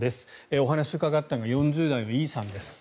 お話を伺ったのは４０代のＥさんです。